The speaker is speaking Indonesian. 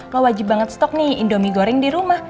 wah wajib banget stok nih indomie goreng di rumah